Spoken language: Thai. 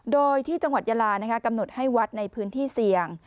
โดยที่จังหวัดยาลากำหนดให้วัดในพื้นที่เสี่ยง